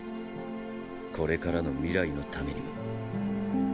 これからの未来のためにも。